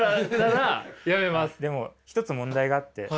でも一つ問題があって。